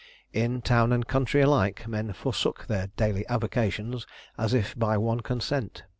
In town and country alike men forsook their daily avocations as if by one consent.